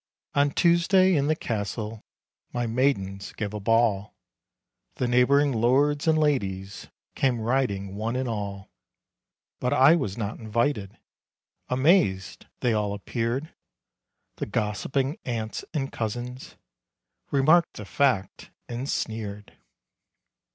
On Tuesday, in the castle, My maidens gave a ball. The neighboring lords and ladies Came riding one and all. But I was not invited. Amazed they all appeared; The gossiping aunts and cousins Remarked the fact, and sneered.